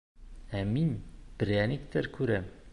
Ә мин прәниктәр күрәм.